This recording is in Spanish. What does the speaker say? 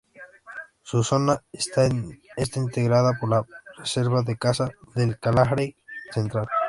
Su zona este está integrada por la Reserva de caza del Kalahari Central.